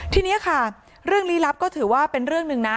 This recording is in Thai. ทีนี้ค่ะเรื่องลี้ลับก็ถือว่าเป็นเรื่องหนึ่งนะ